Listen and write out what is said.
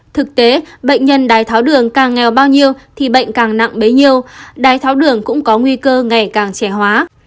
thực tế bệnh nhân đái tháo đường càng nghèo bao nhiêu thì bệnh càng nặng bấy nhiêu đái tháo đường cũng có nguy cơ ngày càng trẻ hóa